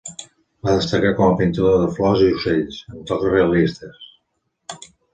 Va destacar com a pintor de flors i ocells, amb tocs realistes.